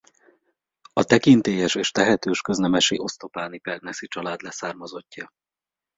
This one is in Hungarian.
A tekintélyes és tehetős köznemesi osztopáni Perneszy család leszármazottja.